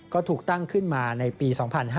ก็ถูกตั้งขึ้นมาในปี๒๕๕๙